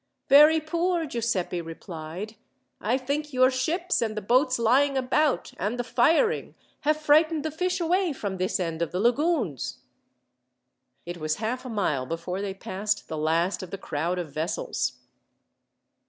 "Very poor," Giuseppi replied. "I think your ships, and the boats lying about, and the firing, have frightened the fish away from this end of the lagoons." It was half a mile before they passed the last of the crowd of vessels.